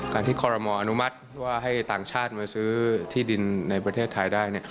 ที่คอรมออนุมัติว่าให้ต่างชาติมาซื้อที่ดินในประเทศไทยได้